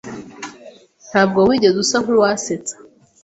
Ntabwo wigeze usa nkuwasetsa.